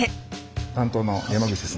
担当の山口です。